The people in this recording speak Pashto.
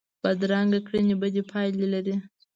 بدرنګه کړنې بدې پایلې لري